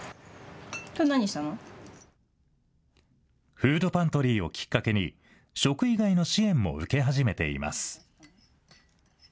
フードパントリーをきっかけに、食以外の支援も受け始めています。